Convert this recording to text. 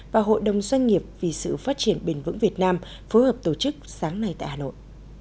và hội đồng doanh nghiệp vì sự phát triển bền vững việt nam phối hợp tổ chức sáng nay tại hà nội